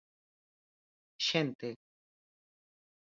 Xente.